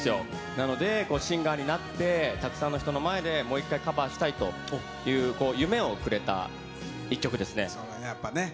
なので、シンガーになって、たくさんの人の前でもう一回カバーしたいという、そうだね、やっぱね。